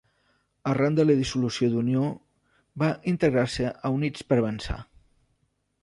Arran de la dissolució d'Unió, va integrar-se a Units per Avançar.